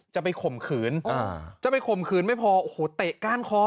จะไปข่มขืนจะไปข่มขืนไม่พอโอ้โหเตะก้านคอ